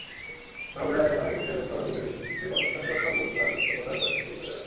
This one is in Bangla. মাগুরায় মায়ের পেটের ভেতর গুলিবিদ্ধ শিশুটির ক্ষতস্থানে গতকাল বুধবার অস্ত্রোপচার করেছেন চিকিৎসকেরা।